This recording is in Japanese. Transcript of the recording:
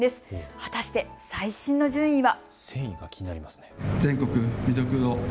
果たして最新の順位は。